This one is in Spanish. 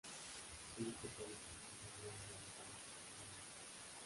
Cinco palestinos murieron durante la operación militar.